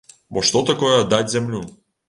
Бо што такое аддаць зямлю?